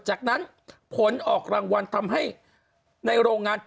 จากนั้นผลออกรางวัลทำให้ในโรงงาน